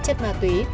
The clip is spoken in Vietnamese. chất ma túi